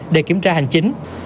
để kiểm tra hành chính